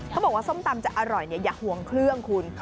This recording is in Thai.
ส้มตำจะอร่อยอย่าห่วงเครื่องคุณ